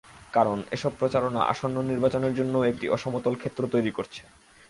কারণ, এসব প্রচারণা আসন্ন নির্বাচনের জন্যও একটি অসমতল ক্ষেত্র তৈরি করছে।